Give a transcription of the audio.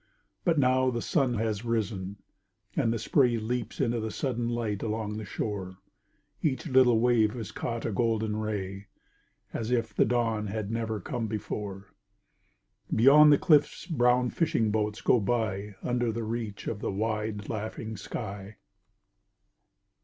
But now the sun has risen, and the spray Leaps into sudden light along the shore. Each little wave has caught a golden ray As if the dawn had never come before. Beyond the cliffs brown fishing boats go by Under the reach of the wide laughing sky.